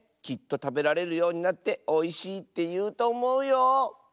きっとたべられるようになっておいしいっていうとおもうよ。